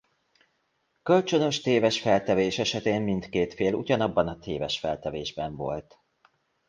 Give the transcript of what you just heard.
Kölcsönös téves feltevés esetén mindkét fél ugyanabban a téves feltevésben volt.